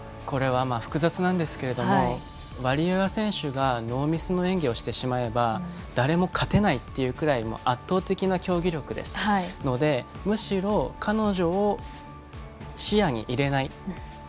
複雑なんですがワリエワ選手がノーミスの演技をしてしまえば誰も勝てないというくらい圧倒的な競技力ですのでむしろ彼女を視野に入れない。